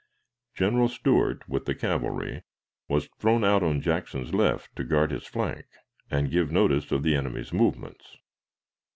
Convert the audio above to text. General Stuart, with the cavalry, was thrown out on Jackson's left to guard his flank and give notice of the enemy's movements.